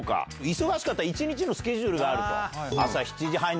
忙しかった一日のスケジュールがあると。